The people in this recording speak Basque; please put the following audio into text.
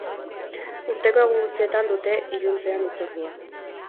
Urteko egun guztietan dute iluntzean hitzordua.